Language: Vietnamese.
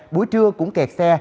buổi trưa cũng kẹt xe